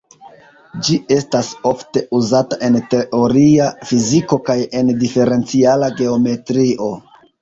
Ĝi estas ofte uzata en teoria fiziko kaj en diferenciala geometrio.